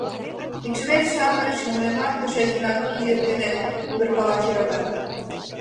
— Икшывем-шамыч мыйымат тышечынак кидышт дене удыркалаш йӧратат.